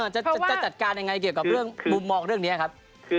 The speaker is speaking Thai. จะจัดการยังไงเกี่ยวกับเรื่องมุมมองเรื่องนี้ครับ